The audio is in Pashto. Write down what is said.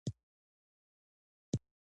دوی له بزګرو قبیلو څخه بیل شول.